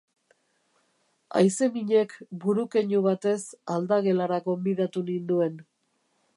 Haizeminek buru keinu batez aldagelara gonbidatu ninduen.